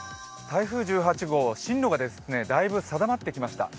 台風１８号、進路がだいぶ定まってきました。